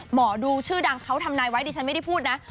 หมอดูชื่อดังเขาทำนายไว้ดิฉันไม่ได้พูดนะ